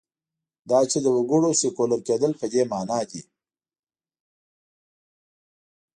دا چې د وګړو سیکولر کېدل په دې معنا دي.